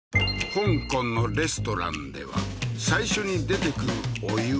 香港のレストランでは最初に出てくるお湯